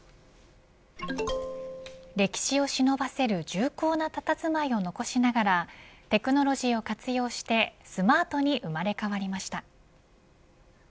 歴史を忍ばせる重厚なたたずまいを残しながらテクノロジーを活用してスマートに生まれ変わりました。